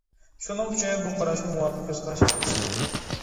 شۇنىڭ ئۈچۈن بۇ قاراشمۇ مۇۋاپىق كۆز قاراش ئەمەس.